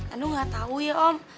aduh gak tau ya om